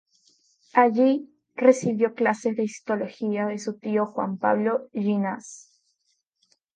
Allí recibió clases de histología de su tío Juan Pablo Llinás.